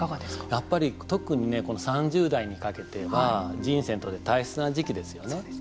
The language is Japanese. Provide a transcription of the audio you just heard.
やっぱり、特にこの３０代にかけては人生にとって大切な時期ですよね。